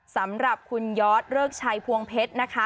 สำหรับคุณยอดเริกชัยพวงเพชรนะคะ